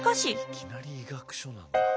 いきなり医学書なんだ。